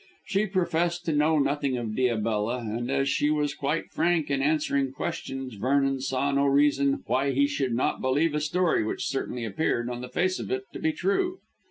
She professed to know nothing of Diabella, and as she was quite frank in answering questions Vernon saw no reason why he should not believe a story which certainly appeared, on the face of it, to be true.